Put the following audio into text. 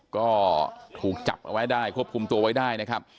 ก็ถูกจับเอาไว้ได้ควบคุมตัวไว้ได้นะครับ